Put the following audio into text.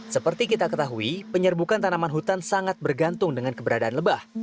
seperti kita ketahui penyerbukan tanaman hutan sangat bergantung dengan keberadaan lebah